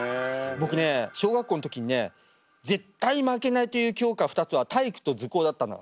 僕ね小学校の時にね絶対負けないという教科２つは体育と図工だったの。